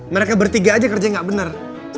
mereka bertiga aja kerja yang nggak benar